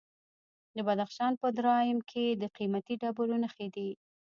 د بدخشان په درایم کې د قیمتي ډبرو نښې دي.